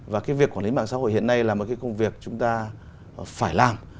và cái việc quản lý mạng xã hội hiện nay là một cái công việc chúng ta phải làm